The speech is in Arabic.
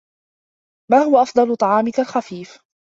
ما هو أفضل طعامك الخفيف؟